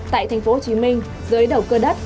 tại tp hcm dưới đầu cơ đất